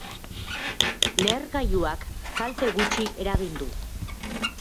Lehergailuak kalte gutxi eragin du.